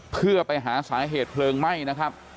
เพื่อไปหาสาเหตุเพลิงไหม้นะครับ